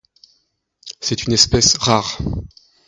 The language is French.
C’est une espèce rare.